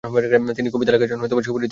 তিনি কবিতা লেখার জন্য সুপরিচিত ছিলেন।